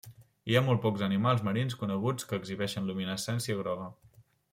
Hi ha molt pocs animals marins coneguts que exhibeixen luminescència groga.